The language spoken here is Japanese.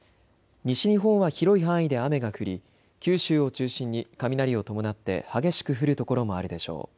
西日本は広い範囲で雨が降り九州を中心に雷を伴って激しく降る所もあるでしょう。